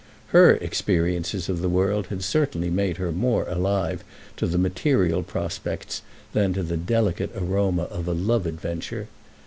Her experiences of the world had certainly made her more alive to the material prospects than to the delicate aroma of a love adventure.